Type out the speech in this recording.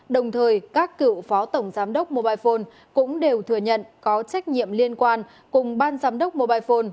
đồng thời các cựu phó tổng giám đốc mobile phone cũng đều thừa nhận có trách nhiệm liên quan cùng ban giám đốc mobile phone